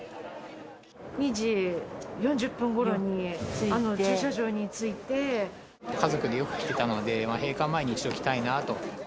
２時４０分ごろに駐車場に着家族でよく来てたので、閉館前に一度来たいなと。